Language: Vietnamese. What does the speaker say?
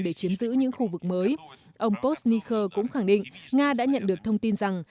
để chiếm giữ những khu vực mới ông pornikho cũng khẳng định nga đã nhận được thông tin rằng